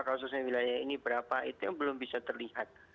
kasusnya wilayah ini berapa itu yang belum bisa terlihat